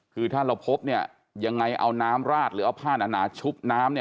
คือถ้าเราพบเนี่ยยังไงเอาน้ำราดหรือเอาผ้าหนาชุบน้ำเนี่ย